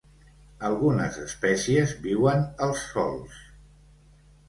Algunes espècies viuen als sòls.